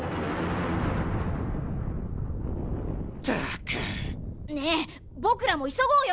ったく！ねえ！ぼくらもいそごうよ！